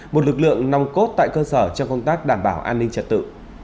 một lực lượng nòng cốt tại cơ sở trong công tác đảm bảo an ninh trật tự